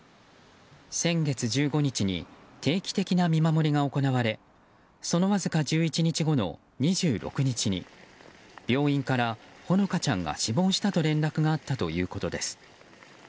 先月１５日に定期的な見守りが行われそのわずか１１日後の２６日に病院からほのかちゃんが死亡したと連絡があったということです。